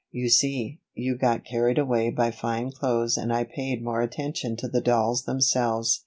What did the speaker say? You see, you got carried away by fine clothes and I paid more attention to the dolls themselves.